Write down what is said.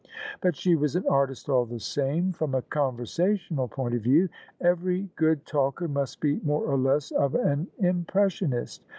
" But she was an artist all the same, from a conversational point of view. Every good talker must be more or less of an impressionist.